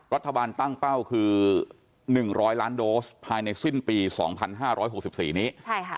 รัฐบาลตั้งเป้าคือ๑๐๐ล้านโดสภายในสิ้นปี๒๕๖๔นี้